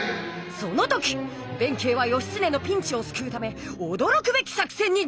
その時弁慶は義経のピンチをすくうためおどろくべき作戦に出た！